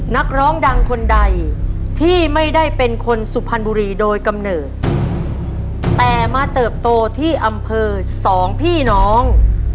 นักร้องดังคนใดที่ไม่ได้เป็นคนสุพรรณบุรีโดยกำเนิดแต่มาเติบโตที่อำเภอสองพี่น้อง